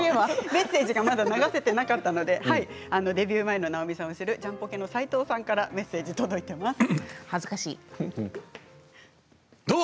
メッセージがまだ流せていなかったのでデビュー前の直美さんを知るジャンポケの斉藤さんからメッセージが届いています。